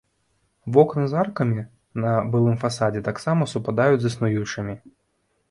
Вокны з аркамі на былым фасадзе таксама супадаюць з існуючымі.